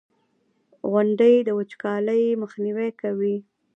• غونډۍ د وچکالۍ مخنیوی کوي.